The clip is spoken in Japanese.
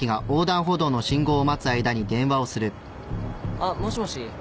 あっもしもし？